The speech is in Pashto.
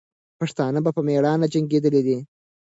پښتانه به په میړانه جنګېدلې.